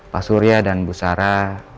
pak surya dan bu sara